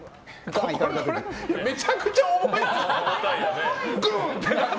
めちゃくちゃ重い。